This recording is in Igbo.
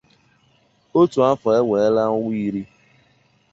Otu afo nwela onwa iri.